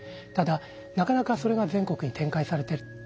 ただなかなかそれが全国に展開されてる。